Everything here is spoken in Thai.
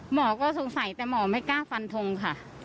หมอก็สงสัยแต่หมอไม่กล้าฟันทงค่ะ